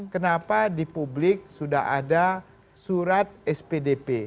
kenapa di publik sudah ada surat spdp